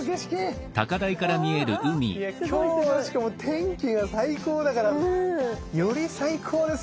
いや今日はしかも天気が最高だからより最高ですよね。